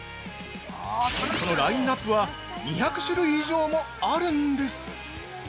そのラインナップは、２００種類以上もあるんです。